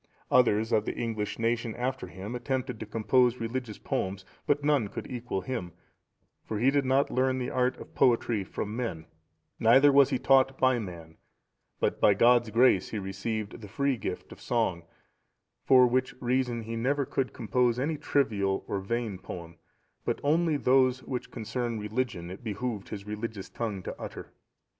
Others of the English nation after him attempted to compose religious poems, but none could equal him, for he did not learn the art of poetry from men, neither was he taught by man, but by God's grace he received the free gift of song, for which reason he never could compose any trivial or vain poem, but only those which concern religion it behoved his religious tongue to utter.